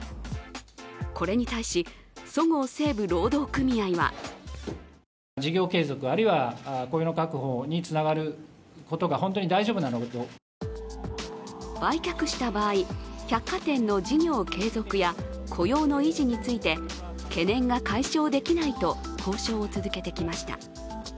これに対し、そごう・西武労働組合は売却した場合、百貨店の事業継続や雇用の維持について懸念が解消できないと交渉を続けてきました。